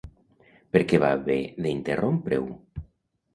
Per què va haver d'interrompre-ho?